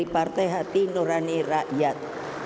partai hati nurani rakyat